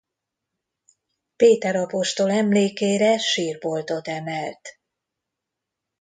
Péter apostol emlékére sírboltot emelt.